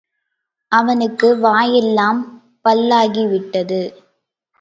அவனுக்கு வாயெல்லாம் பல்லாகிவிட்டது.